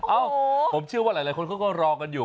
เอ้าผมเชื่อว่าหลายคนเขาก็รอกันอยู่